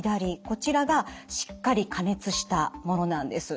こちらがしっかり加熱したものなんです。